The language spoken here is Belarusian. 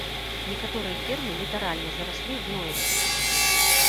Некаторыя фермы літаральна зараслі гноем.